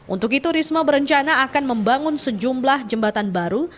untuk itu risma berencana akan membangun sejumlah jembatan baru